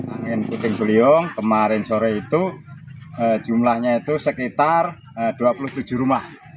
angin puting beliung kemarin sore itu jumlahnya itu sekitar dua puluh tujuh rumah